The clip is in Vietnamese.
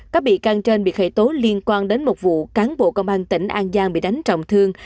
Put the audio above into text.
các bị can trên bị khởi tố liên quan đến một vụ cán bộ công an tỉnh an giang bị đánh trọng thương